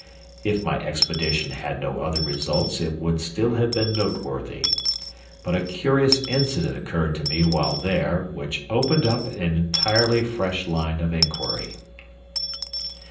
If my expedition had no other results it would still have been noteworthy, but a curious incident occurred to me while there which opened up an entirely fresh line of inquiry.